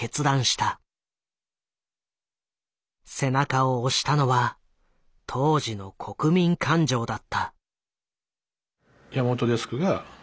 背中を押したのは当時の国民感情だった。